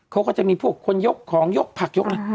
เขาก็จะมีพวกคนยกของยกผักยกอะไร